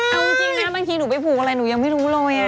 เอาจริงนะบางทีหนูไปผูกอะไรหนูยังไม่รู้เลย